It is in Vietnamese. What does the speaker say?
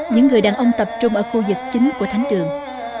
những người đàn ông tập trung ở khu vực chính của thánh trường